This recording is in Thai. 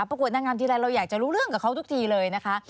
ประกวดนางงามทีไรเราอยากจะรู้เรื่องกับเขาทุกทีเลยนะคะ